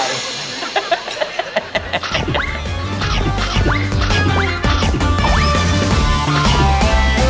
อยู่ก็ไม่รู้จัก